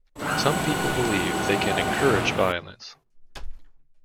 Some people believe they can encourage violence.